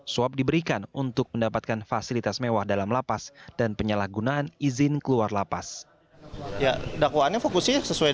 swab diberikan untuk mendapatkan fasilitas mewah dalam lapas dan penyalahgunaan izin keluar lapas